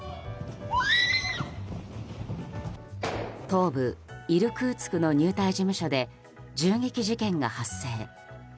東部イルクーツクの入隊事務所で銃撃事件が発生。